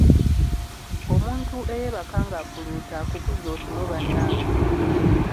Omuntu eyeebaka ng'afuluuta akubuza otulo bannange.